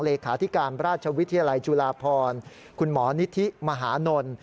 เลขาธิการราชวิทยาลัยจุฬาพรคุณหมอนิธิมหานล